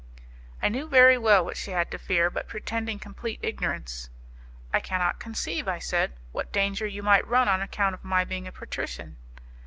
I knew very well what she had to fear, but pretending complete ignorance: "I cannot conceive," I said, "what danger you might run on account of my being a patrician."